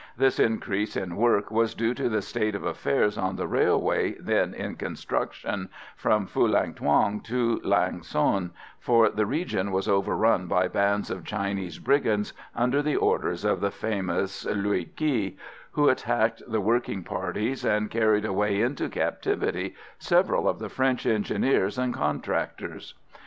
This increase in work was due to the state of affairs on the railway then in construction from Phulang Thuong to Lang son, for the region was overrun by bands of Chinese brigands, under the orders of the famous Luu Ky, who attacked the working parties, and carried away into captivity several of the French engineers and contractors.